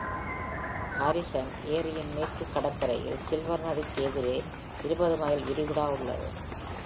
Harrison ஏரியின் மேற்குக் கடற்கரையில் சில்வர் நதிக்கு எதிரே இருபது மைல் விரிகுடா உள்ளது.